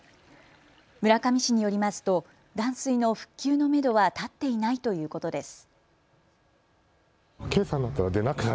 村上市によりますと断水の復旧のめどは立っていないということです。